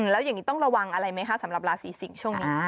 แล้วอย่างนี้ต้องระวังอะไรไหมคะสำหรับราศีสิงศ์ช่วงนี้